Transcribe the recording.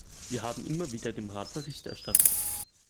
Wir haben immer wieder dem Rat Bericht erstattet.